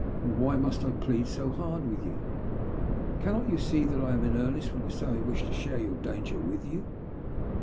Oh, why must I plead so hard with you ?" Cannot you see that I am in earnest when I say I wish to share your danger with you?"